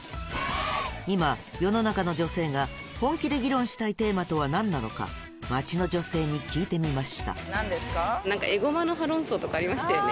今世の中の女性が本気で議論したいテーマとは何なのかとかありましたよね